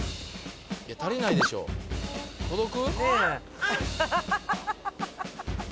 足りないでしょ届く？